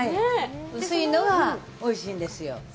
薄いのがおいしいんですよ。